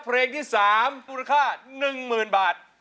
เพลงที่สามมูลค่า๑หมื่นบาท